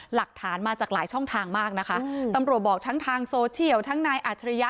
หลักฐานมาจากหลายช่องทางมากนะคะตำรวจบอกทั้งทางโซเชียลทั้งนายอัจฉริยะ